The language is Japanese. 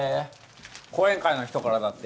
後援会の人からだって。